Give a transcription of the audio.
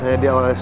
tidak lupa mas